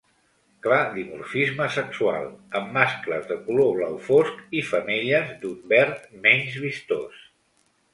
Clar dimorfisme sexual, amb mascles de color blau fosc, i femelles d'un verd menys vistós.